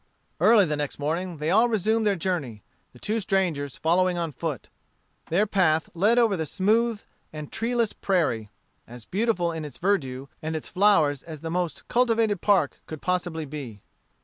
Early the next morning they all resumed their journey, the two strangers following on foot. Their path led over the smooth and treeless prairie, as beautiful in its verdure and its flowers as the most cultivated park could possibly be.